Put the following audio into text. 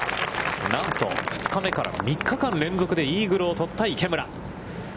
なんと２日目から３日間連続でイーグルを取った池村。